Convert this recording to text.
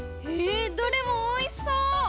どれもおいしそう！